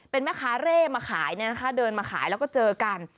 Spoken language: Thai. เป็นแม่ค้าเร่มาขายเนี่ยนะคะเดินมาขายแล้วก็เจอกัน